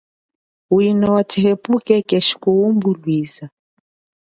Wino wa tshihepuke keshi kuwimbulwiza.